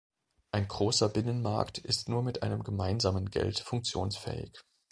Ein großer Binnenmarkt ist nur mit einem gemeinsamen Geld funktionsfähig.